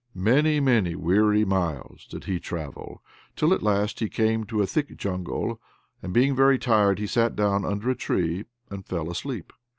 Many, many weary miles did he travel, till at last he came to a thick jungle; and, being very tired, sat down under a tree and fell asleep.